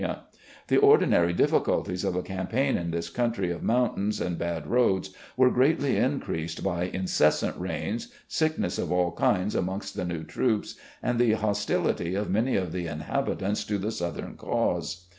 38 RECOLLECTIONS OF GENERAL LEE The ordinary diffictdties of a campaign in this country of motmtains and bad roads were greatly increased by incessant rains, sickness of all kinds amongst the new troops, and the hostility of many of the inhabitants to the Southern cause.